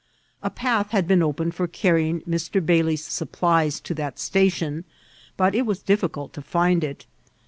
A path had been opened for earrying Mr. Bailey supplies to that station, but it vras difficult to find it.